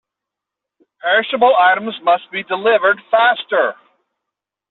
Perishable items must be delivered faster.